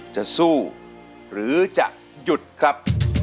จะสู้หรือจะหยุดครับ